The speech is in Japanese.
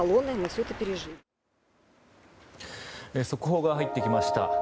速報が入ってきました。